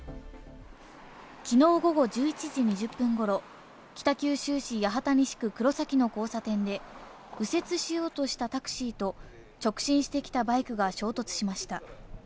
きのう午後１１時２０分頃、北九州市八幡西区黒崎の交差点で右折しようとしたタクシーと直進してきたバイクが衝突しました。